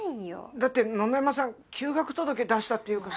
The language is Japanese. だって野々山さん休学届出したって言うから。